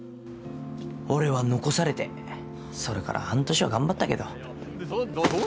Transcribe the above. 俺は残されてそれから半年は頑張ったけど。